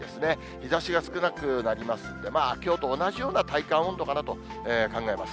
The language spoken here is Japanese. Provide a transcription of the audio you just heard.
日ざしが少なくなりますんで、きょうと同じような体感温度かなと考えます。